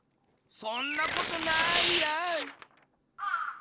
そんなことないやい。